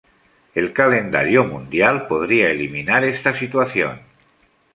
El Calendario Mundial podría eliminar esta situación.